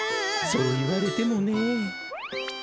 そう言われてもね。